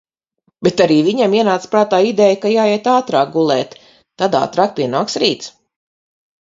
Bet arī viņam ienāca prātā ideja, ka jāiet ātrāk gulēt, tad ātrāk pienāks rīts.